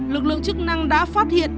lực lượng chức năng đã phát hiện